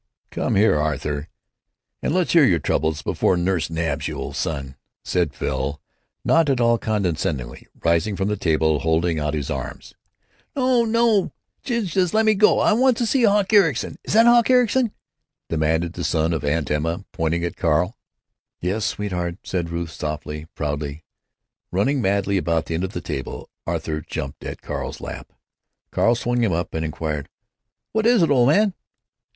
"Come here, Arthur, and let's hear your troubles before nurse nabs you, old son," said Phil, not at all condescendingly, rising from the table, holding out his arms. "No, no! You just let me go! I want to see Hawk Ericson. Is that Hawk Ericson?" demanded the son of Aunt Emma, pointing at Carl. "Yes, sweetheart," said Ruth, softly, proudly. Running madly about the end of the table, Arthur jumped at Carl's lap. Carl swung him up and inquired, "What is it, old man?"